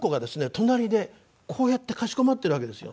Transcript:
隣でこうやってかしこまってるわけですよ。